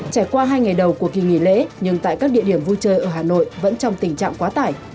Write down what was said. trải qua hai ngày đầu của kỳ nghỉ lễ nhưng tại các địa điểm vui chơi ở hà nội vẫn trong tình trạng quá tải